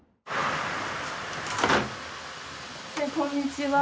こんにちは。